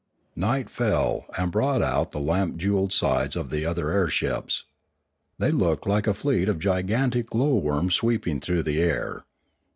Night fell and brought out the lamp jewelled sides of the other air ships. They looked like a fleet of gigantic glow worms sweeping through the air.